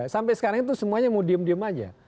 sampai sekarang itu semuanya mau diem diem aja